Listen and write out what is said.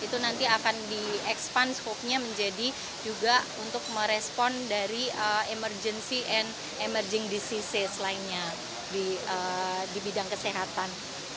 itu nanti akan di expand voke nya menjadi juga untuk merespon dari emergency and emerging disease lainnya di bidang kesehatan